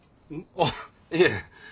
あっいえ。